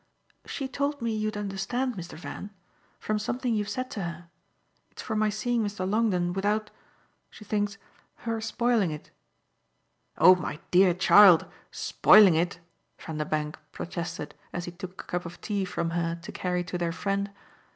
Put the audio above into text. "She told me you'd understand, Mr. Van from something you've said to her. It's for my seeing Mr. Longdon without she thinks her spoiling it." "Oh my dear child, 'spoiling it'!" Vanderbank protested as he took a cup of tea from her to carry to their friend.